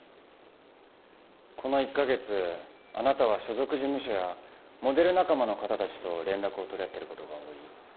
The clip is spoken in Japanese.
この１カ月あなたは所属事務所やモデル仲間の方たちと連絡を取り合ってる事が多い。